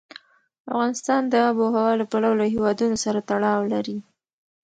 افغانستان د آب وهوا له پلوه له هېوادونو سره تړاو لري.